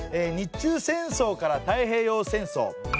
日中戦争から太平洋戦争。